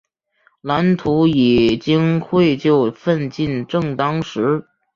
蓝图已经绘就，奋进正当时。